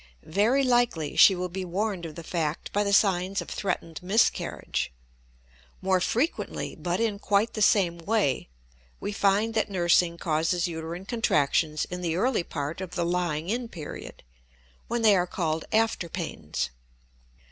Very likely she will be warned of the fact by the signs of threatened miscarriage. More frequently, but in quite the same way, we find that nursing causes uterine contractions in the early part of the lying in period, when they are called after pains.